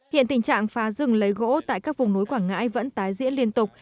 hiện tình trạng phá rừng lấy gỗ tại các vùng núi quảng ngãi vẫn tái diễn liên tục